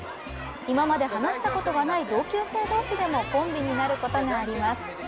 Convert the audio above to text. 今まで話したことがない同級生同士でもコンビになることがあります。